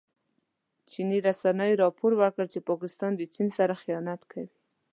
چیني رسنیو راپور ورکړی چې پاکستان د چین سره خيانت کوي.